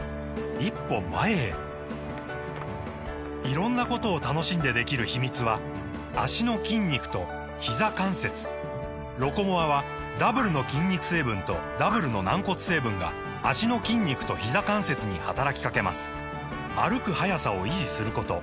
色んなことを楽しんでできる秘密は脚の筋肉とひざ関節「ロコモア」はダブルの筋肉成分とダブルの軟骨成分が脚の筋肉とひざ関節に働きかけます歩く速さを維持することひざ関節機能を維持することが報告されています